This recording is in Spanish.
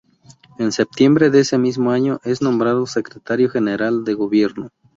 En septiembre de ese mismo año, es nombrado Secretario General de Gobierno.